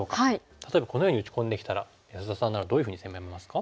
例えばこのように打ち込んできたら安田さんならどういうふうに攻めますか？